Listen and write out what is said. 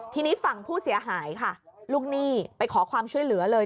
ทีนี้ฝั่งผู้เสียหายค่ะลูกหนี้ไปขอความช่วยเหลือเลย